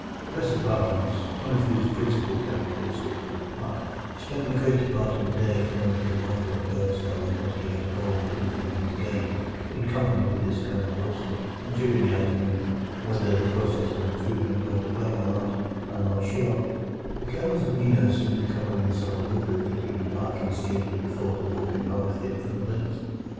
Professor Parkins, one of whose principal characteristics was pluck, spent the greater part of the day following his arrival at Burnstow in what he had called improving his game, in company with this Colonel Wilson: and during the afternoon—whether the process of improvement were to blame or not, I am not sure—the Colonel's demeanour assumed a colouring so lurid that even Parkins jibbed at the thought of walking home with him from the links.